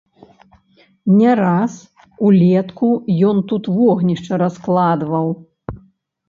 Не раз улетку ён тут вогнішча раскладваў.